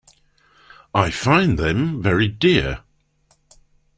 I find them very dear.